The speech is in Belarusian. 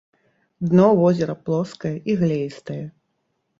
Дно возера плоскае і глеістае.